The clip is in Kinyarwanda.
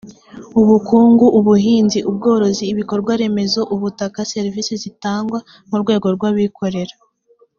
ubukungu ubuhinzi ubworozi ibikorwaremezo ubutaka servisi zitangwa mu rwego rw abikorera